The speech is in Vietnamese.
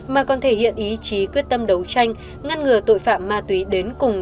mà còn thể hiện ý chí quyết tâm đấu tranh ngăn ngừa tội phạm ma túy đến cùng